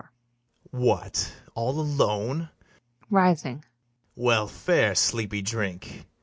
[rising] What, all alone! well fare, sleepy drink!